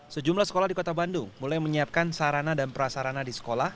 sejumlah sekolah di kota bandung mulai menyiapkan sarana dan prasarana di sekolah